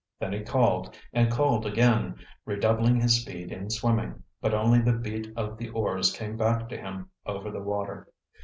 Then he called, and called again, redoubling his speed in swimming; but only the beat of the oars came back to him over the water.